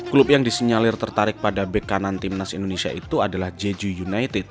klub yang disinyalir tertarik pada back kanan timnas indonesia itu adalah jeju united